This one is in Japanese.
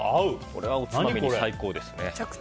これはおつまみに最高ですね。